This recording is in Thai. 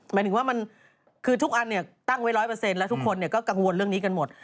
หมายถึงว่ามันคือทุกอันเนี่ยตั้งไว้๑๐๐แล้วทุกคนก็กังวลเรื่องนี้กันหมด